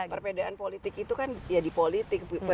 perbedaan politik itu kan ya di politik